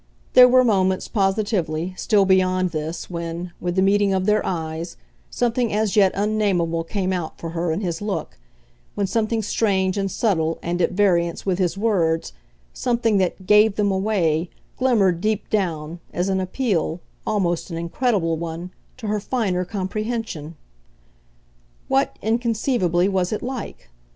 There were moments, positively, still beyond this, when, with the meeting of their eyes, something as yet unnamable came out for her in his look, when something strange and subtle and at variance with his words, something that GAVE THEM AWAY, glimmered deep down, as an appeal, almost an incredible one, to her finer comprehension. What, inconceivably, was it like?